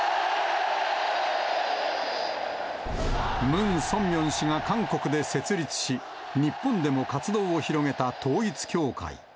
ムン・ソンミョン氏が韓国で設立し、日本でも活動を広げた統一教会。